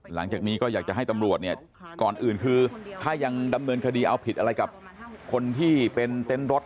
หลังจากนี้ก็อยากจะให้ตำรวจเนี่ยก่อนอื่นคือถ้ายังดำเนินคดีเอาผิดอะไรกับคนที่เป็นเต็นต์รถ